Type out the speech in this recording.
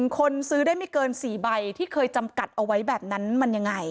คนซื้อได้ไม่เกิน๔ใบที่เคยจำกัดเอาไว้แบบนั้นมันยังไง